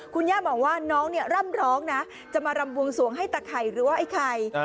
คุณย่าบอกว่าน้องเนี่ยร่ำร้องนะจะมารำบวงสวงให้ตะไข่หรือว่าไอ้ไข่